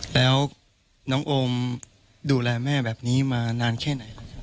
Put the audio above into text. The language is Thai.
แล้วน้องโอมดูแลแม่แบบนี้มานานแค่ไหนครับ